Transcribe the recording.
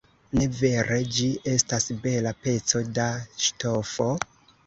Ne vere, ĝi estas bela peco da ŝtofo?